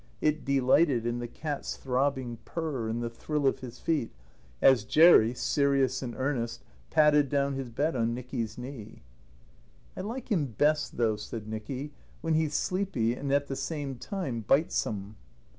It delighted in the cat's throbbing purr and the thrill of his feet, as Jerry, serious and earnest, padded down his bed on Nicky's knee. "I like him best, though," said Nicky, "when he's sleepy and at the same time bitesome."